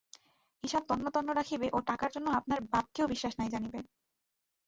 হিসাব তন্ন তন্ন রাখিবে ও টাকার জন্য আপনার বাপকেও বিশ্বাস নাই জানিবে।